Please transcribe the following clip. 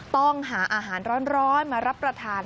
ต้องหาอาหารร้อนมารับประทาน